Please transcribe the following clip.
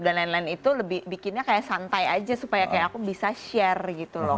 dan lain lain itu lebih bikinnya kayak santai aja supaya kayak aku bisa share gitu loh